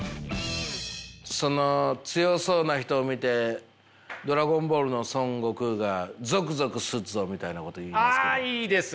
その強そうな人を見て「ドラゴンボール」の孫悟空がぞくぞくすっぞみたいなことを言うじゃないですか。